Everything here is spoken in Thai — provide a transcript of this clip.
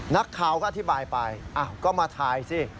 นักข่าวก็อธิบายไปก็มาถ่ายสิ